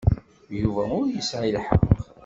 Yuba ur yesɛi lḥeqq.